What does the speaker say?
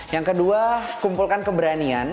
yang kedua kumpulkan keberanian